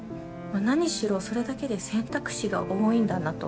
何しろそれだけで選択肢が多いんだなと。